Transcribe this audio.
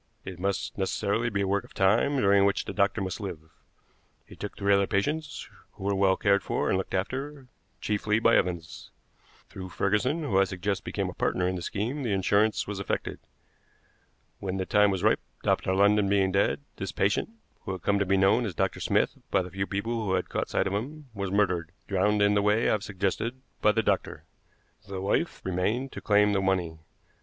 It must necessarily be a work of time, during which the doctor must live. He took three other patients, who were well cared for and looked after, chiefly by Evans. Through Ferguson, who I suggest became a partner in the scheme, the insurance was effected. When the time was ripe, Dr. London being dead, this patient, who had come to be known as Dr. Smith by the few people who had caught sight of him, was murdered, drowned, in the way I have suggested, by the doctor. The wife remained to claim the money.